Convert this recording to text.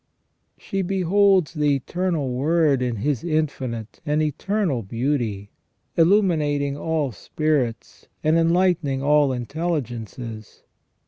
She beholds the Eternal Word in His infinite and eternal beauty, illuminating all spirits and enlightening all intelligences.